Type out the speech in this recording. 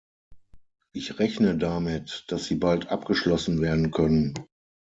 Ich rechne damit, dass sie bald abgeschlossen werden können.